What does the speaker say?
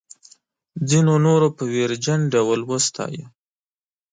ځینو نورو په ویرجن ډول وستایه.